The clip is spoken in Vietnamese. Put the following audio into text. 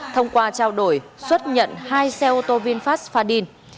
thông qua trao đổi xuất nhận hai xe ô tô vinfast fadin